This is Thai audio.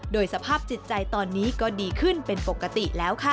โดยสภาพจิตใจตอนนี้ก็ดีขึ้นเป็นปกติแล้วค่ะ